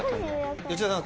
吉田さん